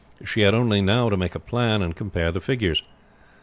She had only now to make a plan and compare the figures.